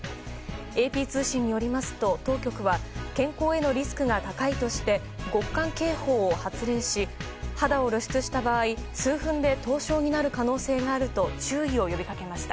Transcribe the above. ＡＰ通信によりますと、当局は健康へのリスクが高いとして極寒警報を発令し肌を露出した場合数分で凍傷になる可能性があると注意を呼びかけました。